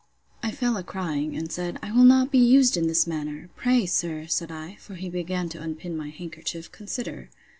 I fell a crying, and said, I will not be used in this manner. Pray, sir, said I, (for he began to unpin my handkerchief,) consider!